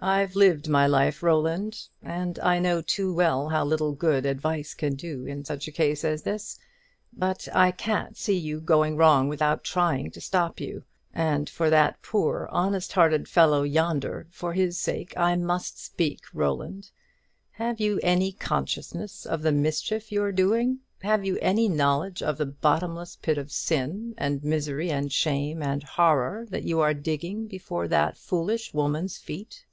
I've lived my life, Roland, and I know too well how little good advice can do in such a case as this. But I can't see you going wrong without trying to stop you: and for that poor honest hearted fellow yonder, for his sake, I must speak, Roland. Have you any consciousness of the mischief you're doing? have you any knowledge of the bottomless pit of sin, and misery, and shame, and horror that you are digging before that foolish woman's feet?"